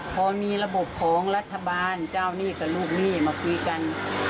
พอมีระบบของรัฐบาลเจ้าหนี้กับลูกหนี้มาคุยกัน